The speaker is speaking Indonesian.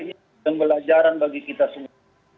ini adalah ujung belajaran bagi kita semua